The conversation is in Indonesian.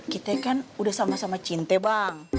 kita kan udah sama sama cinta bang